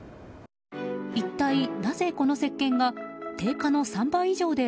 一体なぜこの石けんが定価の３倍以上で